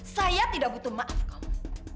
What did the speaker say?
saya tidak butuh maaf kalau